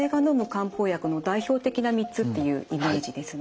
漢方薬の代表的な３つっていうイメージですね。